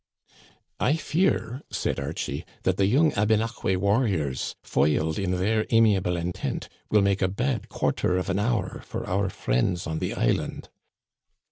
I fear," said Archie, " that the young Abénaquis warriors, foiled in their amiable intent, will make a bad quarter of an hour for our friends on the island."